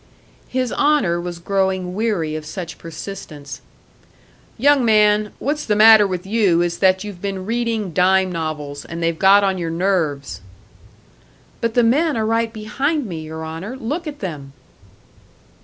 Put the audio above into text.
His Honour was growing weary of such persistence. "Young man, what's the matter with you is that you've been reading dime novels, and they've got on your nerves!" "But the men are right behind me, your Honour! Look at them!"